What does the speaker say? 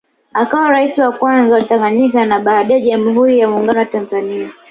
Akawa rais wa Kwanza wa Tanganyika na baadae Jamhuri ya Muungano wa Tanzania